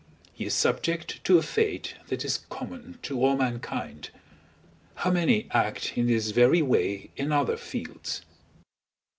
He is subject to a fate that is common to all mankind. How many act in this very way in other fields!